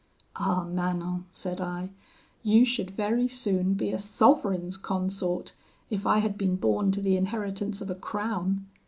"'Ah! Manon,' said I, 'you should very soon be a sovereign's consort, if I had been born to the inheritance of a crown.